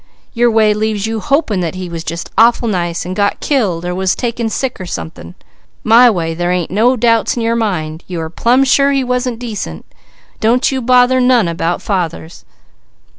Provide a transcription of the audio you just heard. Your way leaves you hoping that he was just awful nice, and got killed, or was taken sick or something; my way, there ain't no doubts in your mind. You are plumb sure he wasn't decent. Don't you bother none about fathers!"